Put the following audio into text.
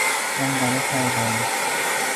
ลองต่อรถไฟไป